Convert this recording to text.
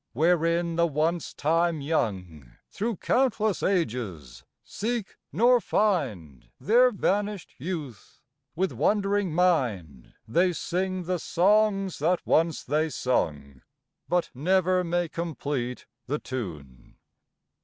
Wherein the once time young Thro' countless ages seek, nor find, Their vanished youth; with wandering mind They sing the songs that once they sung, But never may complete the tune.